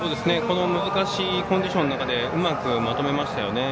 難しいコンディションの中うまくまとめましたよね。